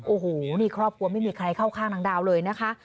โอ้โหนี่ครอบครัวไม่มีใครเข้าข้างนางดาวเลยนะคะ